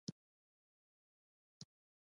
هغو خلکو چې په اوړو کې یې شګه وه.